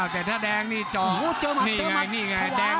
แต่ถ้าแดงนี่เจอมันเจอมัน